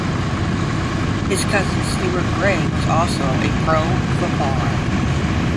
His cousin Stuart Gray was also a pro footballer.